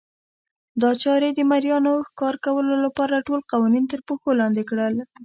دا چارې د مریانو ښکار کولو لپاره ټول قوانین ترپښو لاندې کړل.